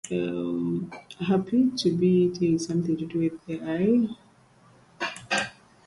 We have targeted funding as being our main priority.